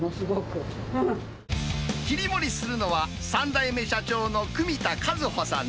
切り盛りするのは、３代目社長の汲田和穂さん